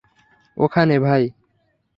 ওখানে, ভাই।